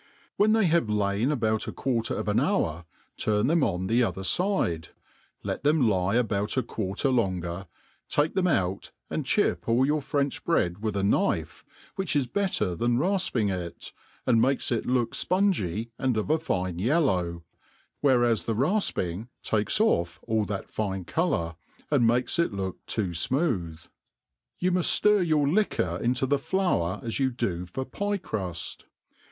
When they have lain about a quarter of an hour turn them on the other fide let them lie about a quarter longer, take them out and chip all your French bread with a knife, which is better than rafp ing it, and makes it look fpungy and of a fine yellow, whereas the rafping takes ofF all that fine colour, and makes jt look too rfmooth. You muft flir your liquor into tlie flour as yOu do for pie cruft.